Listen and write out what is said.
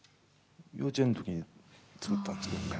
幼稚園の時に作ったんですけどね。